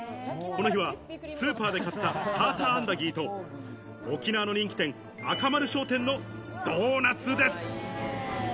この日は、スーパーで買ったサーターアンダギーと沖縄の人気店・アカマル商店のドーナツです。